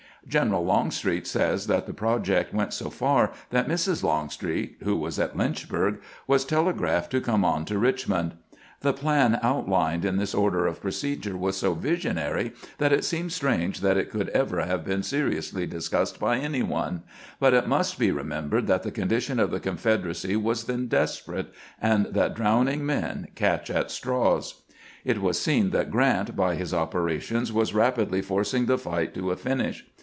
General Longstreet says that the pro j ect went so far that Mrs. Longstreet, who was at Lynchburg, was telegraphed to come on to Eichmond. The plan out 392 CAMPAIGNING WITH GBANT lined in this order of procedure was so visionary that it seems strange that it could ever have been seriously discussed by any one ; but it must be remembered that the condition of the Confederacy was then desperate, and that drowning men catch at straws. It was seen that Grant, by his operations, was rapidly forcing the fight to a finish.